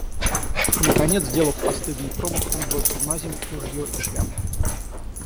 Наконец, сделав постыдный промах, он бросил наземь ружье и шляпу.